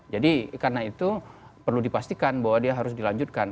jadi karena itu perlu dipastikan bahwa dia harus dilanjutkan